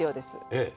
ええ。